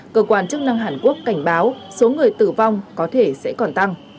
cơ quan chức năng hàn quốc cảnh báo số người tử vong có thể sẽ còn tăng